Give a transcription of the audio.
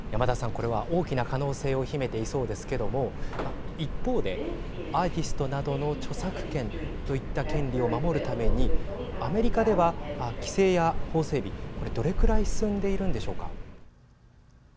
これは大きな可能性を秘めていそうですけども一方で、アーティストなどの著作権といった権利を守るためにアメリカでは規制や法整備これどれぐらい進んでいるんでしょうか。